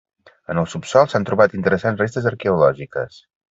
En el subsòl s'han trobat interessants restes arqueològiques.